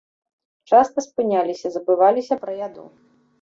Часта спыняліся, забываліся пра яду.